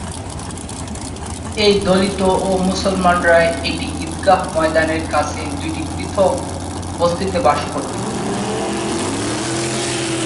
এই দলিত ও মুসলমানরা এটি ঈদগাহ ময়দানের কাছে দুটো পৃথক বস্তিতে বাস করত।